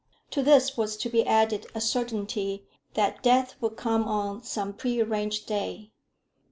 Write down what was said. To this was to be added a certainty that death would come on some prearranged day.